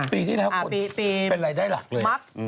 ปีที่แล้วคนเป็นรายได้หลักเลย